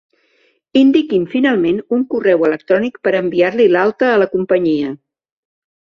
Indiqui'm, finalment, un correu electrònic per enviar-li l'alta a la companyia.